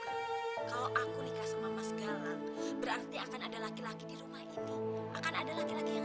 kalau aku nikah sama mas galang berarti akan ada laki laki di rumah ini akan ada laki laki yang